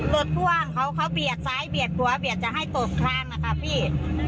พ่วงเขาเขาเบียดซ้ายเบียดหัวเบียดจะให้ตกทางนะคะพี่